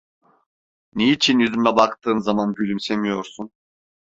Niçin yüzüme baktığın zaman gülümsemiyorsun?